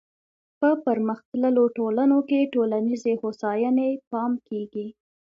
په پرمختللو ټولنو کې ټولنیزې هوساینې پام کیږي.